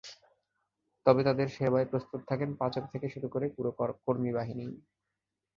তবে তাঁদের সেবায় প্রস্তুত থাকেন পাচক থেকে শুরু করে পুরো কর্মী বাহিনীই।